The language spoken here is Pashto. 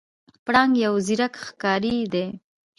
پړانګ یو زیرک ښکاری دی.